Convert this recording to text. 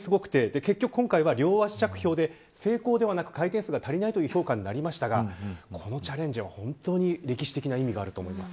結局今回は両足着氷で成功ではなく回転数が足りないという評価になりましたがこのチャレンジは本当に歴史的な意味があると思います。